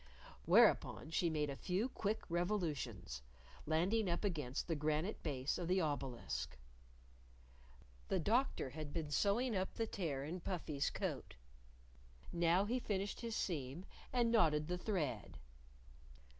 Whereupon she made a few quick revolutions, landing up against the granite base of the obelisk. The Doctor had been sewing up the tear in Puffy's coat. Now he finished his seam and knotted the thread.